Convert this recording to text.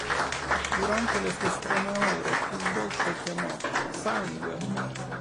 Durante le sue estreme ore più volte chiamò “Sangue!